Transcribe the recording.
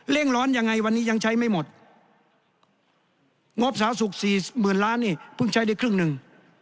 ร้อนยังไงวันนี้ยังใช้ไม่หมดงบสาสุขสี่หมื่นล้านนี่เพิ่งใช้ได้ครึ่งหนึ่ง